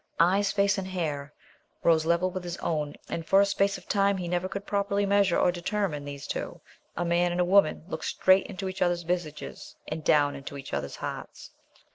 Eyes, face and hair rose level with his own, and for a space of time he never could properly measure, or determine, these two, a man and a woman, looked straight into each other's visages and down into each other's hearts.